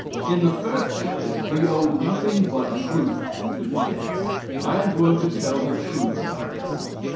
In the first place, we owe nothing but truth to the dead. I am going to tell the truth about them.